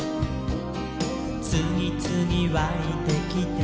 「つぎつぎわいてきて」